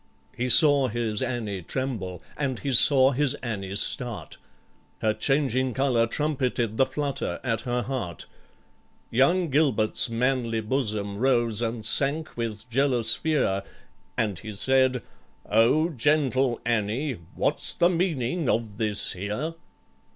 He saw his ANNIE tremble and he saw his ANNIE start, Her changing colour trumpeted the flutter at her heart; Young GILBERT'S manly bosom rose and sank with jealous fear, And he said, "O gentle ANNIE, what's the meaning of this here?"